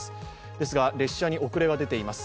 ですが、列車に遅れが出ています。